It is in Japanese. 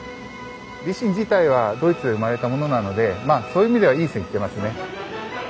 リシン自体はドイツで生まれたものなのでまあそういう意味ではいい線いってますね。